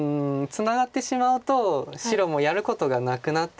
ツナがってしまうと白もやることがなくなってくるので。